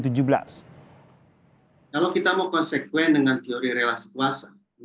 kalau kita mau konsekuen dengan teori relasi kuasa